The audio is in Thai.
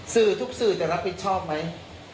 สื่อทุกสื่อจะรับผิดชอบไหม